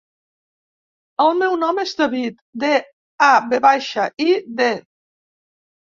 El meu nom és David: de, a, ve baixa, i, de.